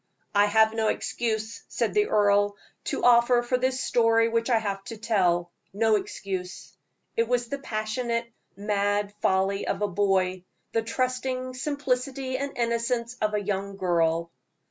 "I have no excuse," said the earl, "to offer for this story which I have to tell no excuse. It was the passionate, mad folly of a boy the trusting simplicity and innocence of a young girl."